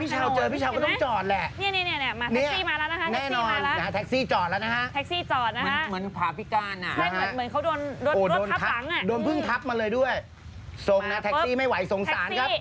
รถเหยียบมาแน่นแน่ฮะทรงนี้ไม่พี่รถมันทำให้รถตรงนั้นเนี้ย